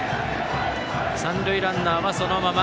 三塁ランナーはそのまま。